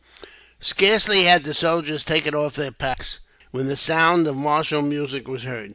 Scarcely had the soldiers taken off their packs, when the sound of martial music was heard.